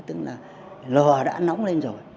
tức là lò đã nóng lên rồi